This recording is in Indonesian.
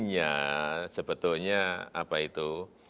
nah sebetulnya apa itu